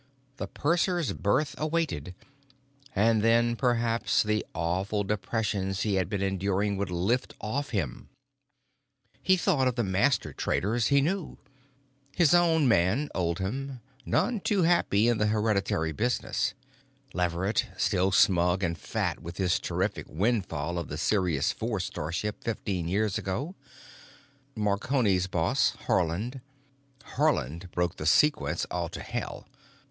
The purser's berth awaited. And then, perhaps, the awful depressions he had been enduring would lift off him. He thought of the master traders he knew: his own man Oldham, none too happy in the hereditary business; Leverett, still smug and fat with his terrific windfall of the Sirius IV starship fifteen years ago; Marconi's boss Haarland—Haarland broke the sequence all to hell.